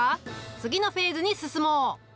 次のフェーズに進もう！